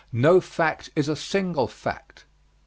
NO FACT IS A SINGLE FACT.